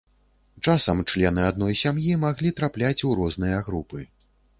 Часам члены адной сям'і маглі трапляць у розныя групы.